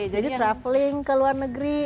jadi traveling ke luar negeri